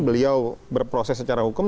beliau berproses secara hukum